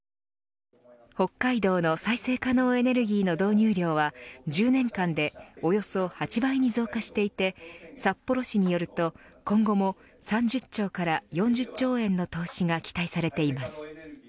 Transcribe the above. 北海道の再生可能エネルギーの導入量は１０年間でおよそ８倍に増加していて札幌市によると、今後も３０兆から４０兆円の投資が期待されています。